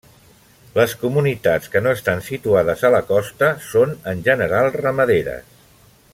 Les comunitats que no estan situades a la costa són en general ramaderes.